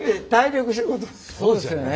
そうですよね。